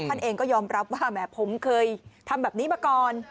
ท่านเองก็ยอมรับว่าแหมผมเคยทำแบบนี้มาก่อน